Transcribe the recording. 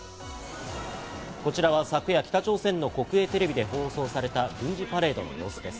こちらは昨夜、北朝鮮の国営テレビで放送された軍事パレードの様子です。